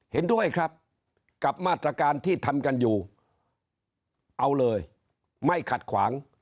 เห็นด้วยครับกับมาตรการที่ทำกันอยู่เอาเลยไม่ขัดขวาง